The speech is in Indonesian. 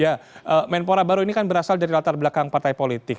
ya menpora baru ini kan berasal dari latar belakang partai politik